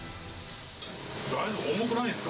重くないんですか？